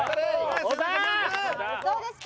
どうですか？